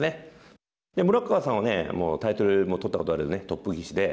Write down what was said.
村川さんはタイトルも取ったことあるトップ棋士で。